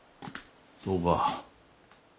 そうか。